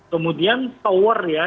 kemudian tower ya